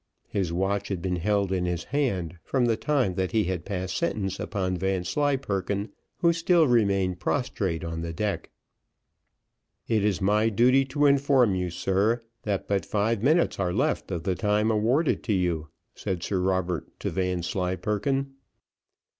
His watch had been held in his hand, from the time that he had passed sentence upon Vanslyperken, who still remained prostrate on the deck. "It is my duty to inform you, sir, that but five minutes are left of the time awarded to you," said Sir Robert to Vanslyperken.